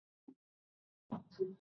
中国有句古话，叫“识时务者为俊杰”。